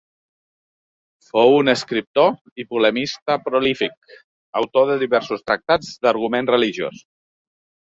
Fou un escriptor i polemista prolífic, autor de diversos tractats d'argument religiós.